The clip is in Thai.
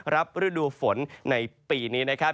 รับฤดูฝนในปีนี้นะครับ